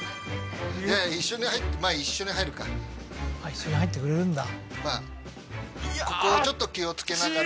一緒にまあ一緒に入るか一緒に入ってくれるんだ